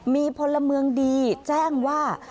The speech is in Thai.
มีพลเมืองดีแจ้งว่า